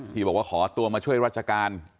ที่บอกว่าขอตัวมาช่วยราชการ